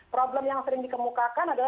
problem yang sering dikemukakan adalah